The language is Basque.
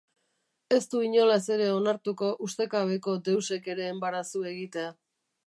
Ez du inolaz ere onartuko ustekabeko deusek ere enbarazu egitea.